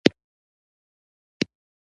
نیکه د جګړې او سولې فرق بیانوي.